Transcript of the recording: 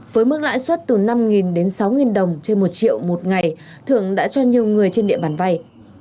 với mức lãi suất từ năm đến sáu đồng trên một triệu một ngày thượng đã cho nhiều người trên địa bàn vay